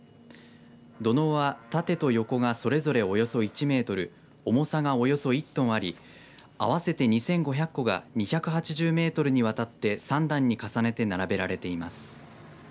土のうは縦と横がそれぞれおよそ１メートル重さが、およそ１トンあり合わせて２５００個が２８０メートルにわたって３段に重ねて並べられています。